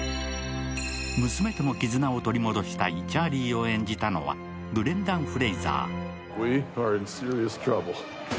娘との絆を取り戻したいチャーリーを演じたのはブレンダン・フレイザー。